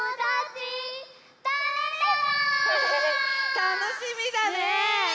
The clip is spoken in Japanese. たのしみだね。